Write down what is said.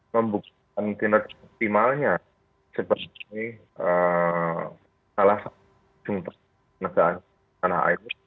membuka kontinensi optimalnya sebagai salah satu sumber penegakan tanah air